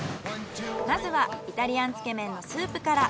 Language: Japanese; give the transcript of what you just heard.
まずはイタリアンつけ麺のスープから。